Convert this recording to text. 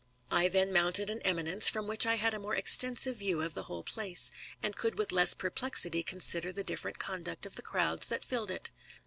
I then mounted an eminence, from which I had a more extensive view of the whole place, and could with less perplexity consider the different conduct of the crowds that filled it.